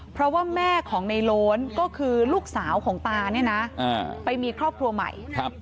เพราะว่าแม่ของในโล้นก็คือลูกสาวของตาเนี่ยนะไปมีครอบครัวใหม่